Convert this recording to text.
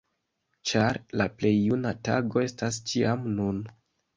Ĉar "La plej juna tago estas ĉiam nun!